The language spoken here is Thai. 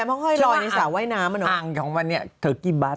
ไม่รอเข้ามาออกที่บ้านข่าว